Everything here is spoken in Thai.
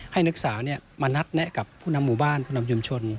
ให้นักศึกษามานัดแนะกับผู้นำหมู่บ้านผู้นำชุมชน